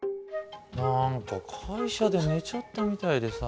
何か会社で寝ちゃったみたいでさ。